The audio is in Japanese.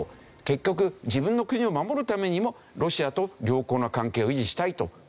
結局自分の国を守るためにもロシアと良好な関係を維持したいと思ってるんですよね。